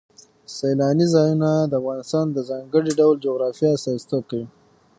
سیلانی ځایونه د افغانستان د ځانګړي ډول جغرافیه استازیتوب کوي.